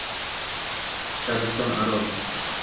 Shabiston aro